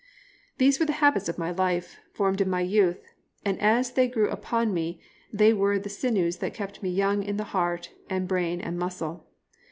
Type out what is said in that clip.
These were the habits of my life, formed in my youth, and as they grew upon me they were the sinews that kept me young in the heart and brain and muscle.